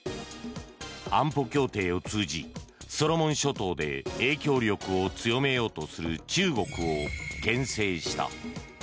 安保協定を通じソロモン諸島で影響力を強めようとする中国を牽制した。